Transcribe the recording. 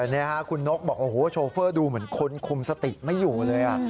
นี่ค่ะคุณนกบอกโอ้โหโชเฟอร์ดูเหมือนคนคุมสติไม่อยู่เลย